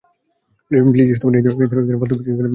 Please, এই ধরনের ফালতু বিষয়ের জন্য ফোন করবে না, ঠিক আছে?